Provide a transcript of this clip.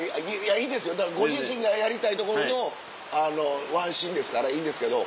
いいですよだからご自身がやりたいところのワンシーンですからいいんですけど。